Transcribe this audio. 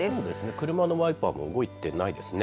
車のワイパーも動いていないですね。